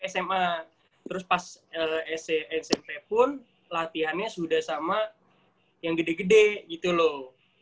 sma terus pas smp pun latihannya sudah sama yang gede gede gitu loh